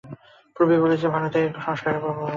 পূর্বেই বলিয়াছি, ভারতে এই সংস্কারের ভাব আসিল।